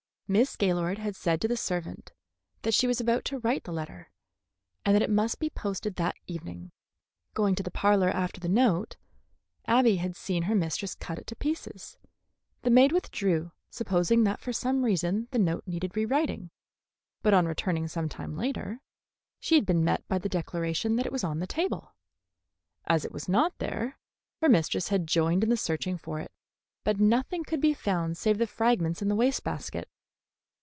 Miss Gaylord had said to the servant that she was about to write the letter, and that it must be posted that evening. Going to the parlor after the note, Abby had seen her mistress cut it to pieces. The maid withdrew, supposing that for some reason the note needed rewriting; but on returning some time later, she had been met by the declaration that it was on the table. As it was not there, her mistress had joined in searching for it, but nothing could be found save the fragments in the waste basket.